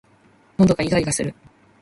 喉がいがいがする